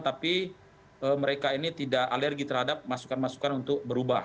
tapi mereka ini tidak alergi terhadap masukan masukan untuk berubah